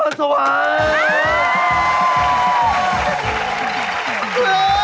เอาล่ะสรุปนะครับ